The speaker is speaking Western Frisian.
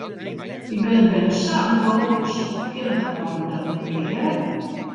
Dy bern binne sa ûndogens, kinne de âlden dat net keare?